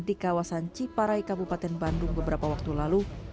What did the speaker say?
di kawasan ciparai kabupaten bandung beberapa waktu lalu